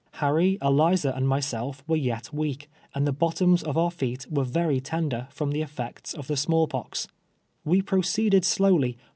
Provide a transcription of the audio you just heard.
Harry, Eliza, and myself were yet ■weak, and the bottoms of our feet were very tender from the effects of the small pox. We proceeded slowly.